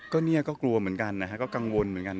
ก็เนี่ยก็กลัวเหมือนกันนะฮะก็กังวลเหมือนกัน